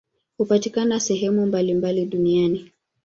Hupatikana sehemu mbalimbali duniani.